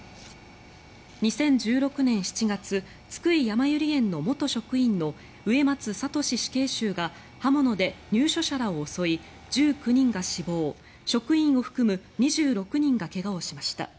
２０１６年７月津久井やまゆり園の元職員の植松聖死刑囚が刃物で入所者らを襲い１９人が死亡職員を含む２６人が怪我をしました。